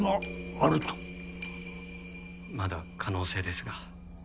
まだ可能性ですが。